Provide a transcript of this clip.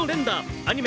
アニメ